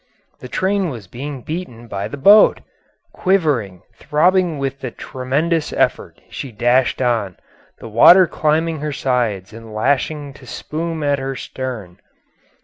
The train was being beaten by the boat. Quivering, throbbing with the tremendous effort, she dashed on, the water climbing her sides and lashing to spume at her stern.